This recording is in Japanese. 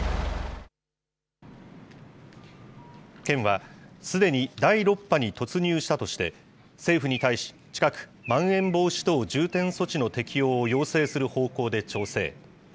県は、すでに第６波に突入したとして、政府に対し、近く、まん延防止等重点措置の適用を要請する方向で調整。